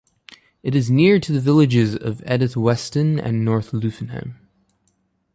It is near to the villages of Edith Weston and North Luffenham.